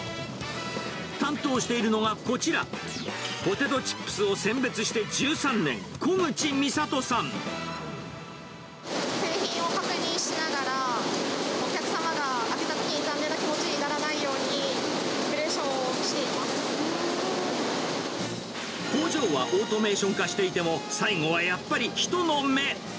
担当しているのはこちら、ポテトチップスを選別して１３年、製品を確認しながら、お客様が開けたときに残念な気持ちにならないように、オペレーションを工場はオートメーション化していても、最後はやっぱり人の目。